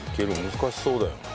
難しそうだよな。